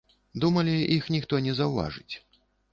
Думалі, іх ніхто не заўважыць.